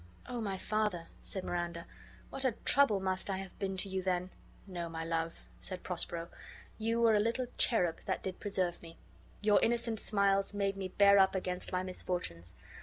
"O my father," said Miranda, "what a trouble must I have been to you then!" "No, my love,"' said Prospero, "you were a little cherub that did preserve me. Your innocent smiles made me bear up against my misfortunes.